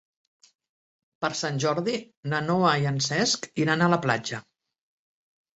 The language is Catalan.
Per Sant Jordi na Noa i en Cesc iran a la platja.